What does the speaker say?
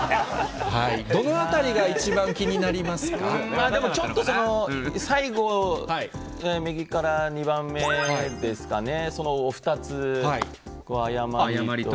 どのあたりが一番気になりまでもちょっと、最後、右から２番目ですかね、その２つ、誤りと。